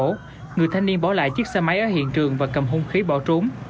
trước đó người thanh niên bỏ lại chiếc xe máy ở hiện trường và cầm hung khí bỏ trốn